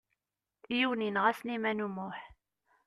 Yiwen yenɣa Sliman U Muḥ.